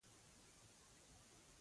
نره ښځه وه.